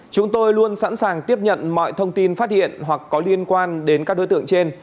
chúng tôi luôn sẵn sàng tiếp nhận mọi thông tin phát hiện hoặc có liên quan đến các đối tượng trên